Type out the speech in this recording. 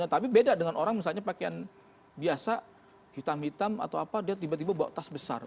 tapi beda dengan orang misalnya pakaian biasa hitam hitam atau apa dia tiba tiba bawa tas besar